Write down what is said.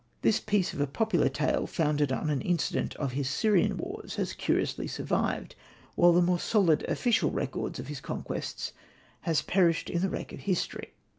This piece of a ^ popular tale founded on an incident of his Syrian wars has curiously survived, while the more solid official records of his con quests has perished in the wreck of history.